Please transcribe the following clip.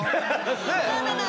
そうなの。